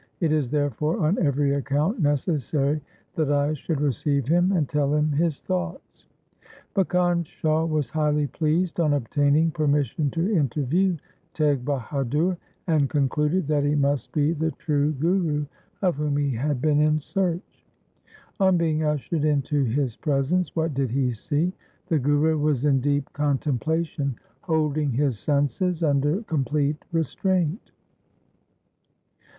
It is therefore on every account necessary that I should receive him and tell him his thoughts.' Makkhan Shah was highly pleased on obtaining permission to interview Teg Bahadur, and concluded that he must be the true Guru of whom he had been in search. On being ushered into his presence, what did he see ? The Guru was in deep contem plation holding his senses under complete restraint.